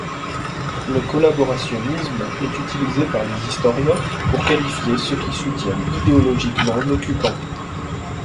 Le collaborationnisme est utilisé par les historiens pour qualifier ceux qui soutiennent idéologiquement l'occupant.